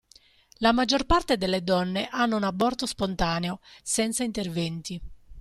La maggior parte delle donne hanno un aborto spontaneo, senza interventi.